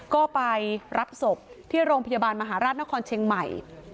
ก็ไปรับศพที่โรงพยาบาลมหาราชนครเชียงใหม่